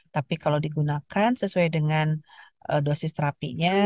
tapi kalau digunakan sesuai dengan dosis terapinya